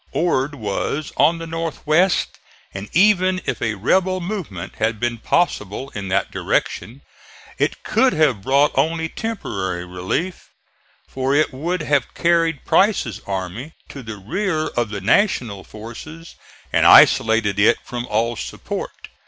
Ord was on the north west, and even if a rebel movement had been possible in that direction it could have brought only temporary relief, for it would have carried Price's army to the rear of the National forces and isolated it from all support.